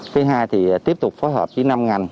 thứ hai thì tiếp tục phối hợp với năm ngành